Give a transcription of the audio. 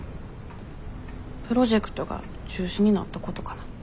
プロジェクトが中止になったことかな。